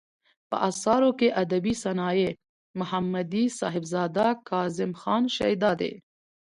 په اثارو کې ادبي صنايع ، محمدي صاحبزداه ،کاظم خان شېدا دى.